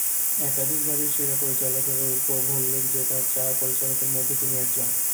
একাধিকবার সেরা পরিচালকের রৌপ্য ভল্লুক জেতা চার পরিচালকের মধ্যে তিনি একজন।